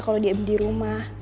kalo dia di rumah